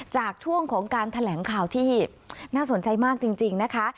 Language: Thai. ช่วงของการแถลงข่าวที่น่าสนใจมากจริงนะคะ